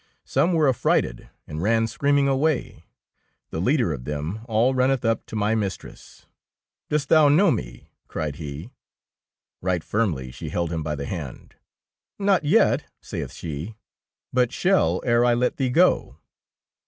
Some were af frighted and ran screaming away. The leader of them all runneth up to my mistress. Dost thou know me ? cried he. Eight firmly she held him by the hand. "Not yet/' saith she, "but shall ere I let thee go."